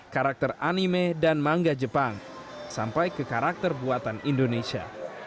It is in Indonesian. karakter anime dan mangga jepang sampai ke karakter buatan indonesia